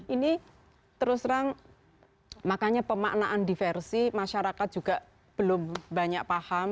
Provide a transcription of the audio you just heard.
ini terus terang makanya pemaknaan diversi masyarakat juga belum banyak paham